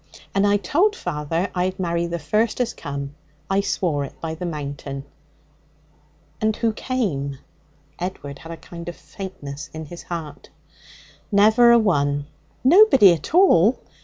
And I told father I'd marry the first as come. I swore it by the Mountain.' 'And who came?' Edward had a kind of faintness in his heart. 'Never a one.' 'Nobody at all?'